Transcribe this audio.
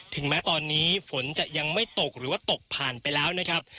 ถึงแม้ตอนนี้ฝนจะยังไม่ตกหรือว่าตกผ่านไปแล้วนะครับ